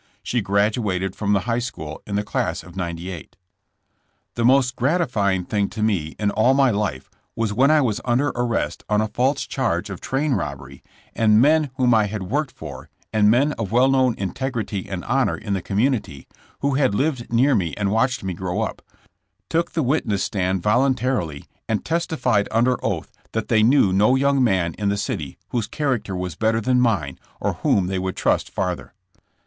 She graduated from the High School in the class of '98. The most gratifying thing to me in all my life was when I was under arrest on a false charge of train robbery and men whom I had worked for, and men of well known integrity and honor in the com munity, who had lived near me and watched me grow up, took the witness stand voluntarily and tes tified under oath that they knew no young man in the city whose character was better than mine or whom they would trust farther.